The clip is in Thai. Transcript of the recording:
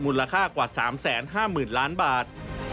มูลค่ากว่า๓๕๐๐๐ล้านบาท